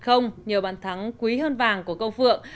chúng ta đã giành chiến thắng một nhờ bản thắng quý hơn vàng của câu phượng